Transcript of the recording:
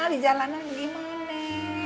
di jalanan gimana